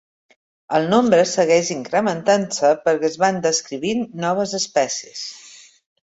El nombre segueix incrementant-se perquè es van descrivint noves espècies.